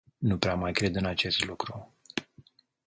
Nu prea mai cred în acest lucru.